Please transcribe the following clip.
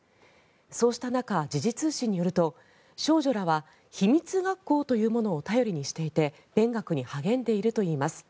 そうした中、時事通信によると少女らは秘密学校というものを頼りにしていて勉学に励んでいるといいます。